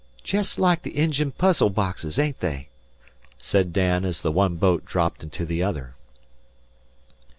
"Jest like the Injian puzzle boxes, ain't they?" said Dan, as the one boat dropped into the other.